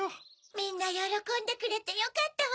みんなよろこんでくれてよかったわ。